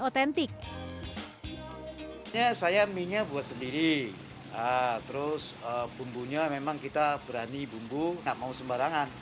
otentik saya minyak buat sendiri terus bumbunya memang kita berani bumbu enggak mau sembarangan